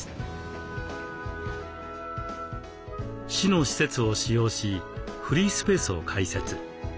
市の施設を使用しフリースペースを開設。